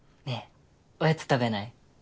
ねえおやつ食べない？